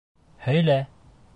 Һөйлә!